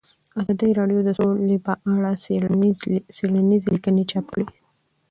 ازادي راډیو د سوله په اړه څېړنیزې لیکنې چاپ کړي.